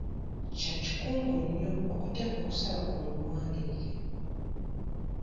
Kya kikungu nnyo okuteeka okusaba kwo mu buwandiike.